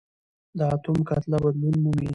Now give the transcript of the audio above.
د اتوم کتله بدلون مومي.